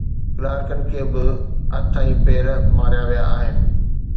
ڪلارڪن کي به هٿ ۽ پير ماريا ويا آهن.